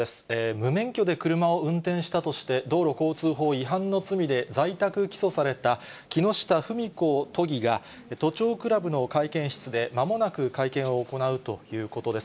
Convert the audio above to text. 無免許で車を運転したとして、道路交通法違反の罪で在宅起訴された木下富美子都議が、都庁クラブの会見室で、まもなく会見を行うということです。